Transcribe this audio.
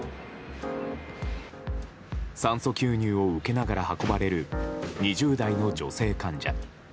酸素吸入を受けながら運ばれる２０代の女性患者。